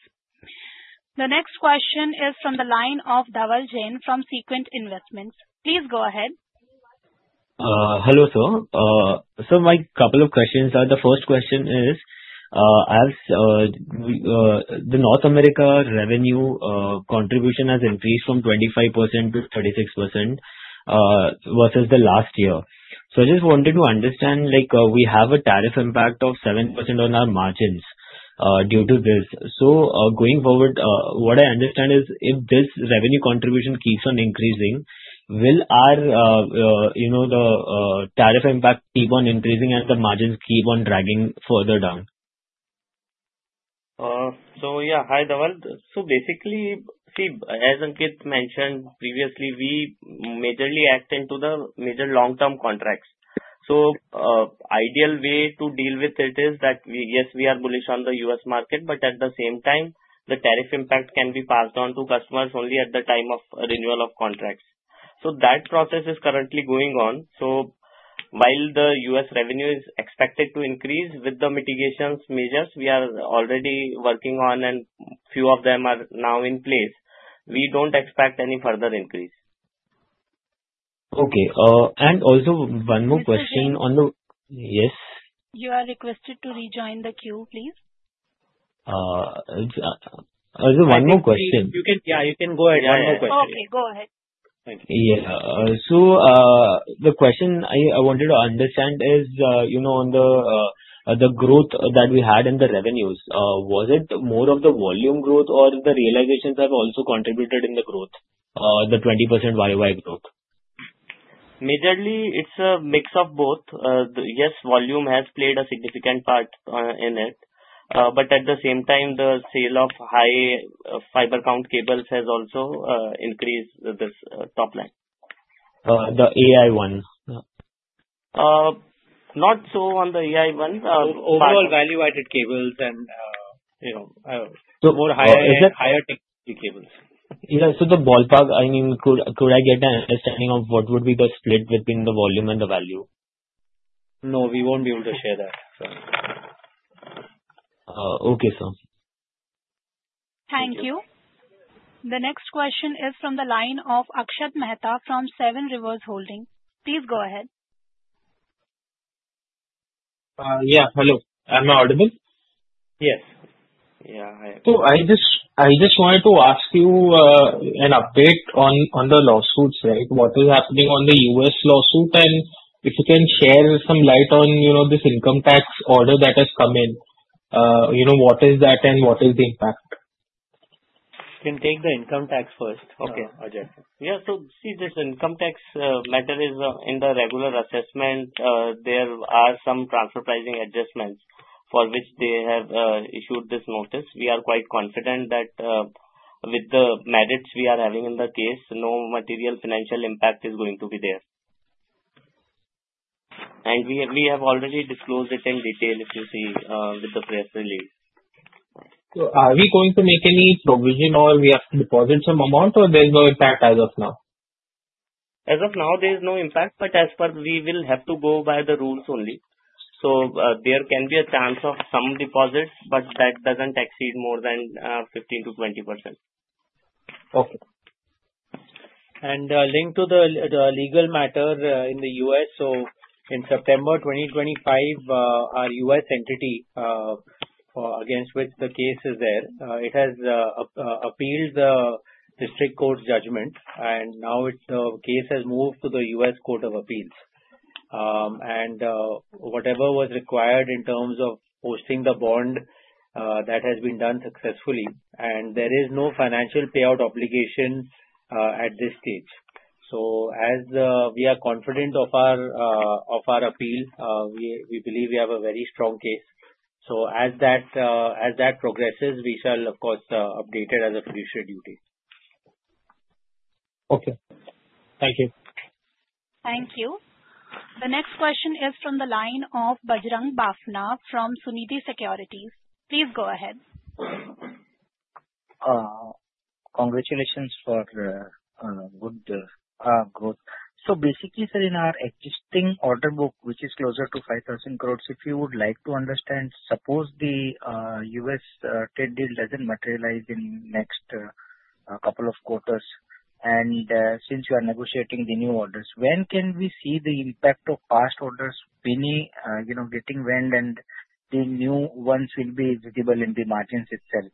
The next question is from the line of Dhaval Jain from Sequent Investments. Please go ahead. Hello, sir. So my couple of questions are, the first question is, as, the North America revenue, contribution has increased from 25% to 36%, versus the last year. So I just wanted to understand, like, we have a tariff impact of 7% on our margins, due to this. So, going forward, what I understand is if this revenue contribution keeps on increasing, will our, you know, the, tariff impact keep on increasing and the margins keep on dragging further down? So yeah, hi Dhaval. So basically, see, as Ankit mentioned previously, we majorly act into the major long-term contracts. So, ideal way to deal with it is that we, yes, we are bullish on the U.S. market, but at the same time, the tariff impact can be passed on to customers only at the time of renewal of contracts. So that process is currently going on. So while the U.S. revenue is expected to increase with the mitigations measures we are already working on and a few of them are now in place, we don't expect any further increase. Okay. And also one more question on the, yes? You are requested to rejoin the queue, please. Also one more question. You can, yeah, you can go ahead. One more question. Okay, go ahead. Thank you. Yeah. So, the question I wanted to understand is, you know, on the growth that we had in the revenues, was it more of the volume growth or the realizations have also contributed in the growth, the 20% YY growth? Majorly, it's a mix of both. Yes, volume has played a significant part in it. But at the same time, the sale of high fiber count cables has also increased this top line. The AI one. Not so on the AI one. Overall value-added cables and, you know, more higher-end, higher-tech cables. Yeah, so the ballpark, I mean, could I get an understanding of what would be the split between the volume and the value? No, we won't be able to share that. Okay, sir. Thank you. The next question is from the line of Akshat Mehta from Seven Rivers Capital. Please go ahead. Yeah, hello. Am I audible? Yes. Yeah, I am. So I just, I just wanted to ask you an update on, on the lawsuits, right? What is happening on the U.S. lawsuit and if you can share some light on, you know, this income tax order that has come in, you know, what is that and what is the impact? Can take the income tax first. Okay. Yeah, so see this income tax matter is in the regular assessment. There are some transfer pricing adjustments for which they have issued this notice. We are quite confident that, with the merits we are having in the case, no material financial impact is going to be there. And we, we have already disclosed it in detail if you see with the press release. So are we going to make any provision or we have to deposit some amount or there's no impact as of now? As of now, there is no impact, but as per, we will have to go by the rules only. So, there can be a chance of some deposits, but that doesn't exceed more than 15%-20%. Okay. And linked to the legal matter in the U.S., so in September 2025, our U.S. entity, against which the case is there, it has appealed the district court judgment and now it, the case has moved to the U.S. Court of Appeals. And whatever was required in terms of posting the bond, that has been done successfully and there is no financial payout obligation at this stage. So as we are confident of our appeal, we believe we have a very strong case. So as that progresses, we shall of course update it as a fiduciary duty. Okay. Thank you. Thank you. The next question is from the line of Bajrang Bafna from Sunidhi Securities. Please go ahead. Congratulations for good growth. So basically, sir, in our existing order book, which is closer to 5,000 crore, if you would like to understand, suppose the U.S. trade deal doesn't materialize in next couple of quarters. And since you are negotiating the new orders, when can we see the impact of past orders pinning, you know, getting went and the new ones will be visible in the margins itself?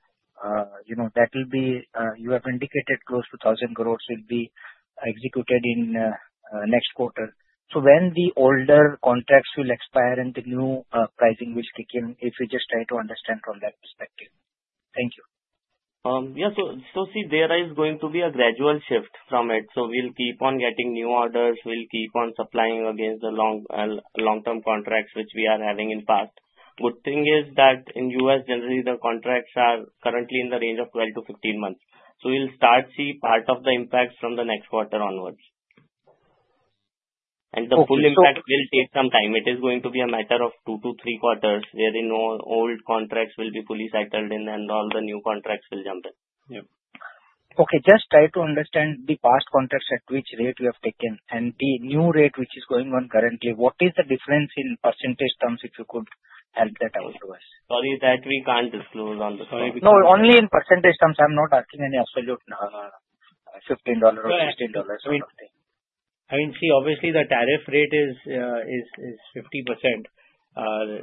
You know, that will be, you have indicated close to 1,000 crore will be executed in next quarter. So when the older contracts will expire and the new pricing will kick in, if you just try to understand from that perspective. Thank you. Yeah, so, so see, there is going to be a gradual shift from it. So we'll keep on getting new orders, we'll keep on supplying against the long, long-term contracts which we are having in past. Good thing is that in U.S., generally, the contracts are currently in the range of 12-15 months. So we'll start seeing part of the impact from the next quarter onwards. And the full impact will take some time. It is going to be a matter of 2-3 quarters wherein old contracts will be fully settled in and all the new contracts will jump in. Yeah. Okay, just try to understand the past contracts at which rate you have taken and the new rate which is going on currently. What is the difference in percentage terms if you could help that out to us? Sorry that we can't disclose on the. Sorry. No, only in percentage terms. I'm not asking any absolute, $15 or $15 or something. I mean, see, obviously the tariff rate is 50%.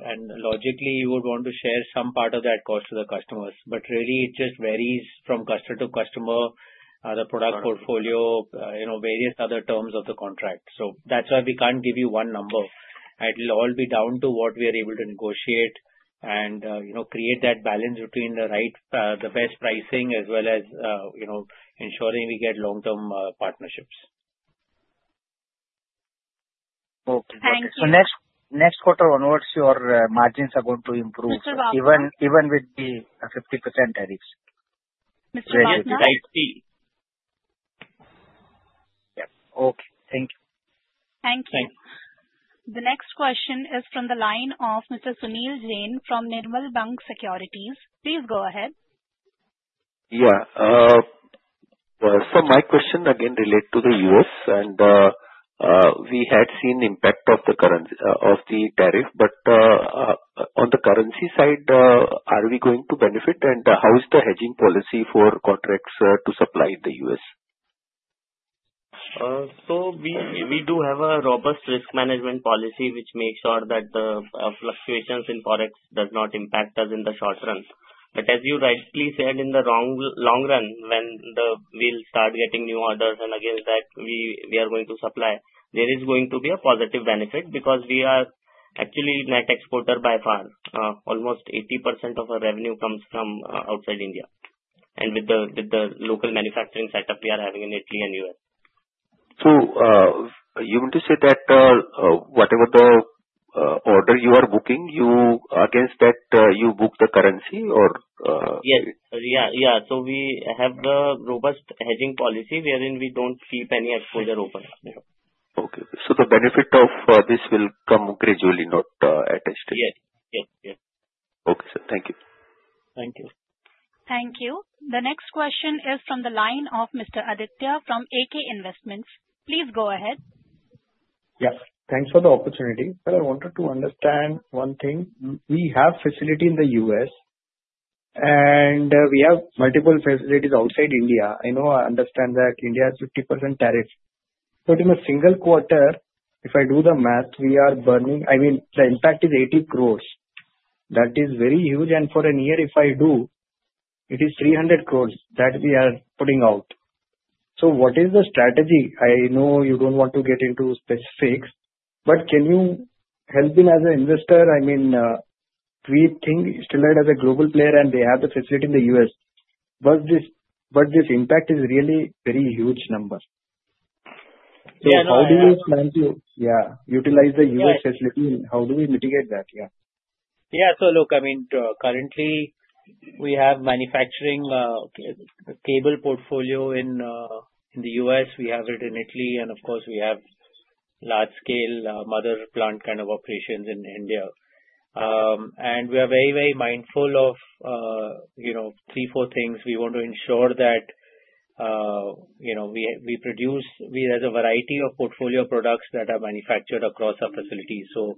And logically you would want to share some part of that cost to the customers. But really it just varies from customer to customer, the product portfolio, you know, various other terms of the contract. So that's why we can't give you one number. It'll all be down to what we are able to negotiate and, you know, create that balance between the right, the best pricing as well as, you know, ensuring we get long-term partnerships. Okay. Thank you. So next quarter onwards, your margins are going to improve. Mr. Bafna. Even with the 50% tariffs. Mr. Bafna. Right. Yeah. Okay. Thank you. Thank you. Thank you. The next question is from the line of Mr. Sunil Jain from Nirmal Bang Securities. Please go ahead. Yeah. Well, so my question again relates to the US and we had seen the impact of the currency, of the tariff, but on the currency side, are we going to benefit and how is the hedging policy for contracts to supply the US? So we do have a robust risk management policy which makes sure that the fluctuations in forex does not impact us in the short run. But as you rightly said, in the long run, when we start getting new orders and against that we are going to supply, there is going to be a positive benefit because we are actually net exporter by far. Almost 80% of our revenue comes from outside India. And with the local manufacturing setup we are having in Italy and US. So, you want to say that, whatever the order you are booking, you against that, you book the currency or? Yes. Yeah. Yeah. So we have the robust hedging policy wherein we don't keep any exposure open. Okay. So the benefit of this will come gradually, not attached to it. Yes. Yes. Yes. Okay, sir. Thank you. Thank you. Thank you. The next question is from the line of Mr. Aditya from AK Investments. Please go ahead. Yes. Thanks for the opportunity. But I wanted to understand one thing. We have facility in the U.S. and we have multiple facilities outside India. I know. I understand that India has 50% tariff. But in a single quarter, if I do the math, we are burning. I mean, the impact is 80 crore. That is very huge. And for a year, if I do, it is 300 crore that we are putting out. So what is the strategy? I know you don't want to get into specifics, but can you help them as an investor? I mean, we think Sterlite as a global player and they have the facility in the U.S. But this, but this impact is really very huge number. So how do you plan to, yeah, utilize the U.S. facility and how do we mitigate that? Yeah. Yeah. So look, I mean, currently we have manufacturing, cable portfolio in, in the U.S. We have it in Italy and of course we have large-scale, mother plant kind of operations in India. And we are very, very mindful of, you know, three, four things. We want to ensure that, you know, we produce a variety of portfolio products that are manufactured across our facility. So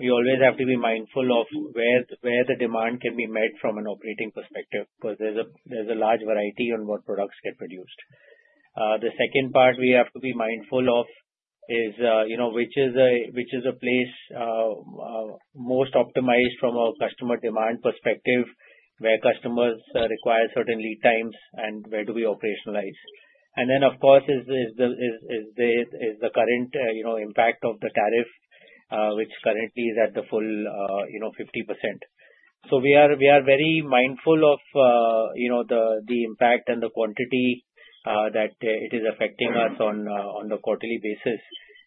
we always have to be mindful of where the demand can be met from an operating perspective because there's a large variety on what products get produced. The second part we have to be mindful of is, you know, which is a place most optimized from our customer demand perspective where customers require certain lead times and where do we operationalize. And then of course is the current, you know, impact of the tariff, which currently is at the full, you know, 50%. So we are very mindful of, you know, the impact and the quantity that it is affecting us on the quarterly basis.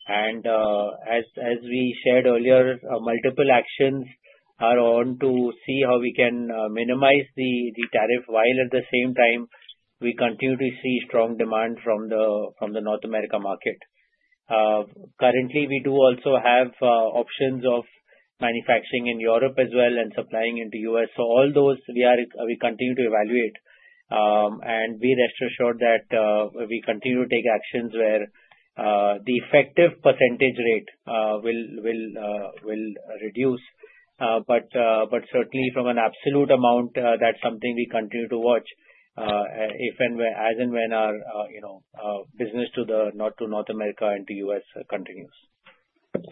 As we shared earlier, multiple actions are on to see how we can minimize the tariff while at the same time we continue to see strong demand from the North America market. Currently we do also have options of manufacturing in Europe as well and supplying into US. So all those we continue to evaluate. We rest assured that we continue to take actions where the effective percentage rate will reduce. But certainly from an absolute amount, that's something we continue to watch, if and when our you know business to North America and to US continues.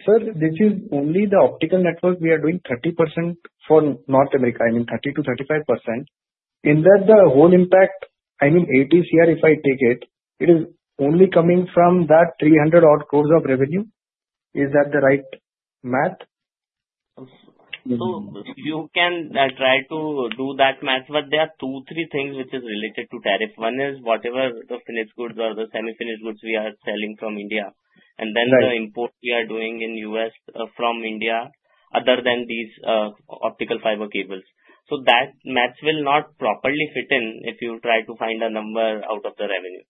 Sir, this is only the optical network we are doing 30% for North America. I mean 30%-35%. In that, the whole impact—I mean, 80% share if I take it—it is only coming from that 300-odd crore of revenue. Is that the right math? So you can try to do that math, but there are two, three things which is related to tariff. One is whatever the finished goods or the semi-finished goods we are selling from India. And then the import we are doing in U.S. from India, other than these, optical fiber cables. So that math will not properly fit in if you try to find a number out of the revenue.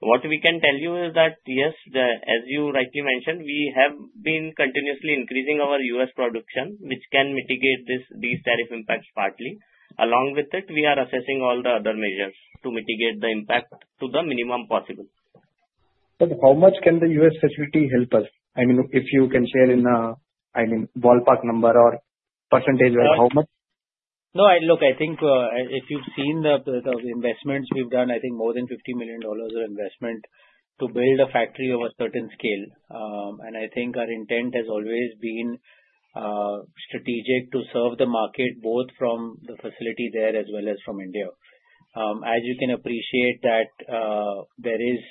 What we can tell you is that yes, as you rightly mentioned, we have been continuously increasing our U.S. production, which can mitigate this, these tariff impacts partly. Along with it, we are assessing all the other measures to mitigate the impact to the minimum possible. But how much can the U.S. facility help us? I mean, if you can share in a, I mean, ballpark number or percentage of how much? No, I look, I think, if you've seen the, the investments we've done, I think more than $50 million of investment to build a factory of a certain scale. And I think our intent has always been, strategic to serve the market both from the facility there as well as from India. As you can appreciate that, there is,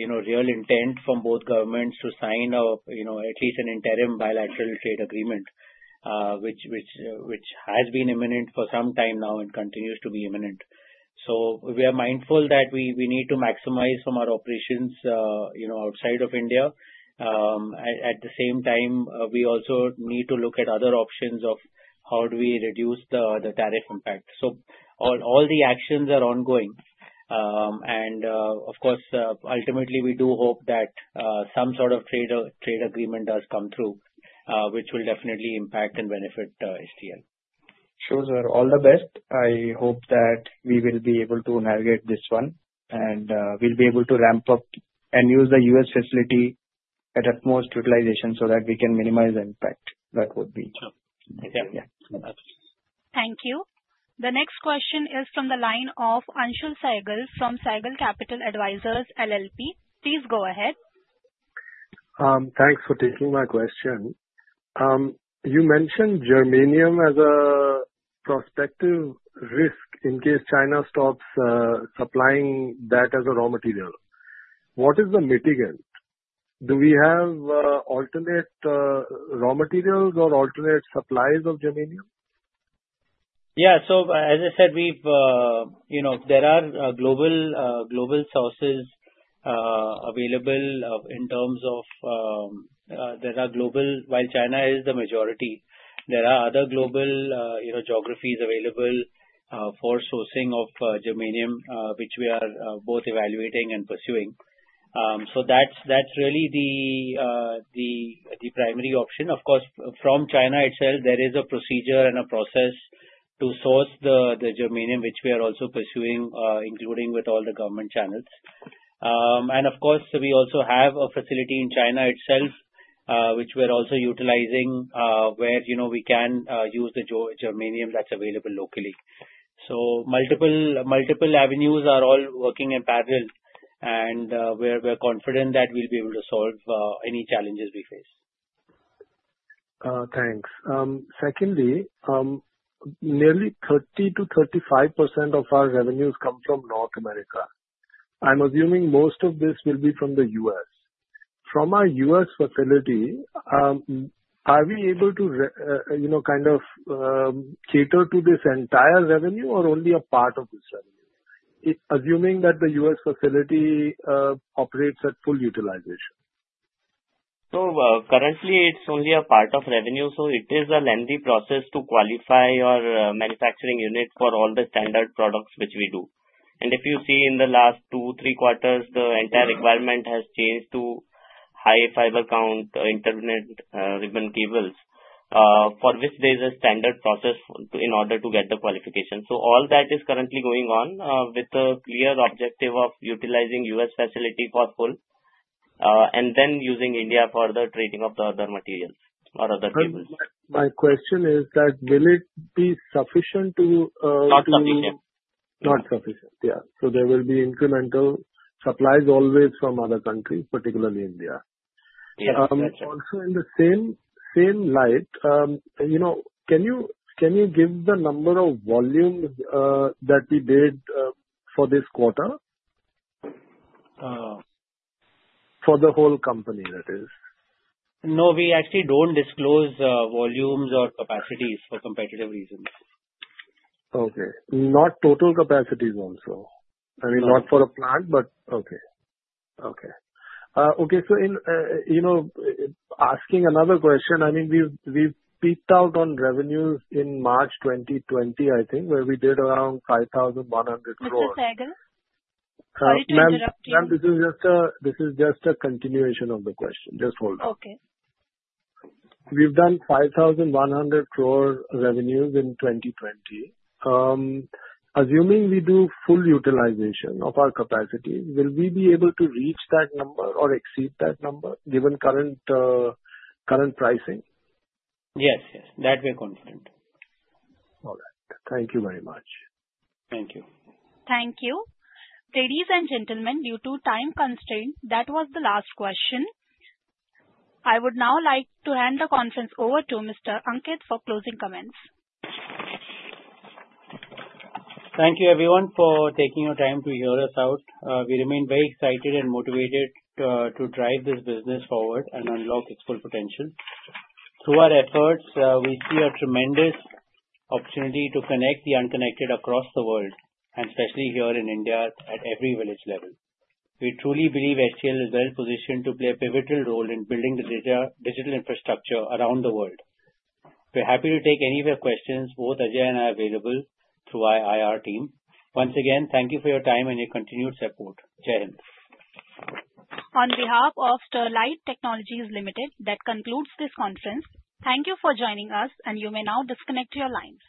you know, real intent from both governments to sign a, you know, at least an interim bilateral trade agreement, which, which, which has been imminent for some time now and continues to be imminent. So we are mindful that we, we need to maximize from our operations, you know, outside of India. At the same time, we also need to look at other options of how do we reduce the tariff impact. So all the actions are ongoing. Of course, ultimately we do hope that some sort of trade agreement does come through, which will definitely impact and benefit STL. Sure, sir. All the best. I hope that we will be able to navigate this one and we'll be able to ramp up and use the U.S. facility at utmost utilization so that we can minimize the impact that would be. Sure. Yeah. Yeah. Thank you. The next question is from the line of Anshul Saigal from Saigal Capital Advisors LLP. Please go ahead. Thanks for taking my question. You mentioned germanium as a prospective risk in case China stops supplying that as a raw material. What is the mitigant? Do we have alternate raw materials or alternate supplies of germanium? Yeah. So, as I said, we've you know there are global global sources available in terms of there are global while China is the majority. There are other global you know geographies available for sourcing of germanium which we are both evaluating and pursuing. So that's really the primary option. Of course from China itself there is a procedure and a process to source the germanium which we are also pursuing including with all the government channels. And of course we also have a facility in China itself which we're also utilizing where you know we can use the germanium that's available locally. So multiple multiple avenues are all working in parallel and we're confident that we'll be able to solve any challenges we face. Thanks. Secondly, nearly 30%-35% of our revenues come from North America. I'm assuming most of this will be from the US. From our US facility, are we able to, you know, kind of, cater to this entire revenue or only a part of this revenue, assuming that the US facility operates at full utilization? So, currently it's only a part of revenue. So it is a lengthy process to qualify your manufacturing unit for all the standard products which we do. And if you see in the last two, three quarters, the entire requirement has changed to high fiber count, intermittent, ribbon cables, for which there is a standard process in order to get the qualification. So all that is currently going on, with the clear objective of utilizing US facility for full, and then using India for the trading of the other materials or other cables. My question is that will it be sufficient to, not sufficient. Not sufficient. Yeah. So there will be incremental supplies always from other countries, particularly India. Yes. Yes. Yes. Also in the same, same light, you know, can you, can you give the number of volumes, that we did, for this quarter? For the whole company, that is. No, we actually don't disclose volumes or capacities for competitive reasons. Okay. Not total capacities also. I mean, not for a plant, but okay. Okay. Okay. So in, you know, asking another question, I mean, we've, we've peaked out on revenues in March 2020, I think, where we did around 5,100 crore. Mr. Saigal? Sorry to interrupt you. Ma'am, this is just a, this is just a continuation of the question. Just hold on. Okay. We've done 5,100 crore revenues in 2020. Assuming we do full utilization of our capacity, will we be able to reach that number or exceed that number given current, current pricing? Yes. Yes. That we're confident. All right. Thank you very much. Thank you. Thank you. Ladies and gentlemen, due to time constraint, that was the last question. I would now like to hand the conference over to Mr. Ankit for closing comments. Thank you, everyone, for taking your time to hear us out. We remain very excited and motivated, to drive this business forward and unlock its full potential. Through our efforts, we see a tremendous opportunity to connect the unconnected across the world and especially here in India at every village level. We truly believe STL is well positioned to play a pivotal role in building the digital, digital infrastructure around the world. We're happy to take any of your questions. Both Ajay and I are available through our IR team. Once again, thank you for your time and your continued support. Jail. On behalf of Sterlite Technologies Limited, that concludes this conference. Thank you for joining us, and you may now disconnect your lines.